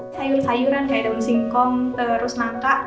sayur sayuran kayak daun singkong telur senangka